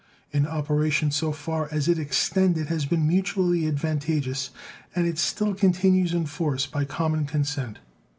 Its operation so far as it extended has been mutually advantageous, and it still continues in force by common consent.